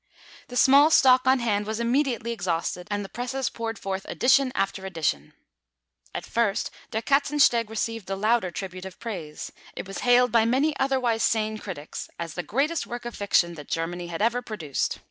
The small stock on hand was immediately exhausted, and the presses poured forth edition after edition. At first Der Katzensteg received the louder tribute of praise; it was hailed by many otherwise sane critics as the greatest work of fiction that Germany had ever produced.